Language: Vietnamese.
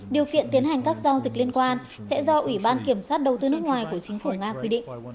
điều kiện tiến hành các giao dịch liên quan sẽ do ủy ban kiểm soát đầu tư nước ngoài của chính phủ nga quy định